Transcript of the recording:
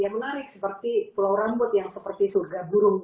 yang menarik seperti pulau rambut yang seperti surga burung